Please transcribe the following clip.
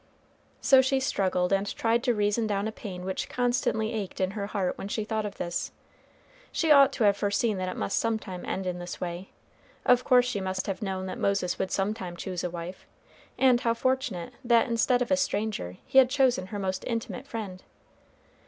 So she struggled and tried to reason down a pain which constantly ached in her heart when she thought of this. She ought to have foreseen that it must some time end in this way. Of course she must have known that Moses would some time choose a wife; and how fortunate that, instead of a stranger, he had chosen her most intimate friend.